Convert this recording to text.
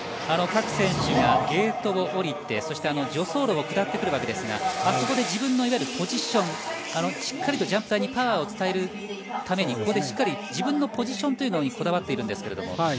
各選手がゲートを降りて助走路を下ってくるわけですがあそこで自分のポジションしっかりとジャンプ台にパワーを伝えるために自分のポジションというのにこだわっているんですが。